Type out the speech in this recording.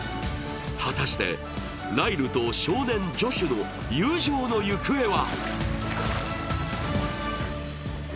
果たしてライルと少年ジョシュの友情の行方は？